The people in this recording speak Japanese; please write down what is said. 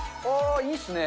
いいっすね。